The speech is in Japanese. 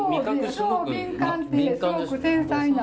すごく繊細な。